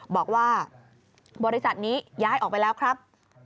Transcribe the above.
บอกว่าบริษัทนี้ย้ายออกไปแล้วครับ